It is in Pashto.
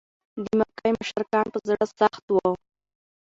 د مکې مشرکان په زړه سخت و.